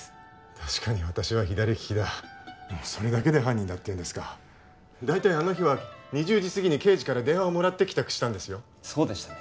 確かに私は左利きだでもそれだけで犯人だというんですか大体あの日は２０時すぎに敬二から電話をもらって帰宅したそうでしたね